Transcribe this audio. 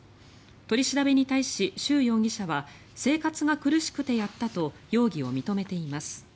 取り調べに対し、シュウ容疑者は生活が苦しくてやったと容疑を認めています。